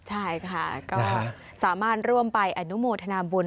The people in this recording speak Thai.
ใช่ค่ะก็สามารถร่วมไปอนุโมทนาบุญ